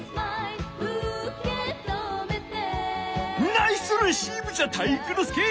ナイスレシーブじゃ体育ノ介！